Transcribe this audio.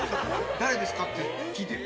誰ですか？って聞いて。